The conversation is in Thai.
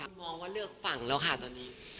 มองว่าเลือกฝั่งแล้วค่ะตอนนี้